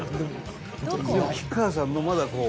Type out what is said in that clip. でも吉川さんのまだこう。